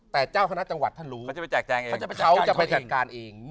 แต่เจ้าคณะจังหวัดท่านรู้เขาจะไปแจกแจงเองเขาจะไปจัดการเอง